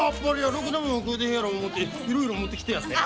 ろくなもん食うてへんやろ思うていろいろ持ってきてやったんや。